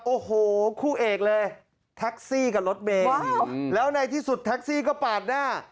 โอ้โหคู่เอกเลยแท็กซี่กับรถเมย์แล้วในที่สุดแท็กซี่ก็ปาดหน้า